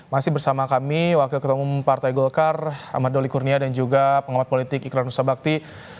masih bersama kami wakil ketua umum partai golkar ahmad doli kurnia dan juga pengamat politik iklan nusa bakti